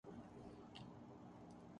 گاڑیوں